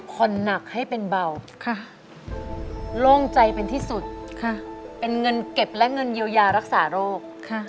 หนักให้เป็นเบาโล่งใจเป็นที่สุดเป็นเงินเก็บและเงินเยียวยารักษาโรค